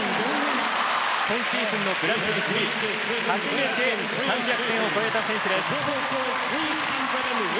今シーズンのグランプリシリーズ初めて３００点を超えた選手です。